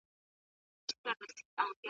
بد ملګری ژوند خرابوي